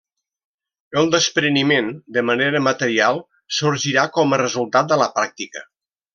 El despreniment de manera material sorgirà com a resultat de la pràctica.